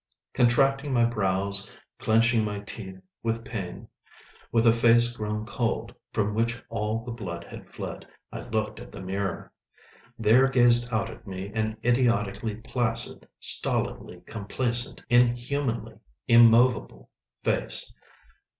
Contracting my brows, clenching my teeth with pain, with a face grown cold, from which all the blood had fled, I looked at the mirror. There gazed out at me an idiotically placid, stolidly complacent, inhumanly immovable face.